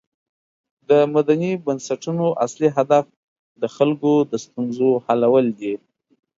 د مدني بنسټونو اصلی هدف د خلکو د ستونزو حلول دي.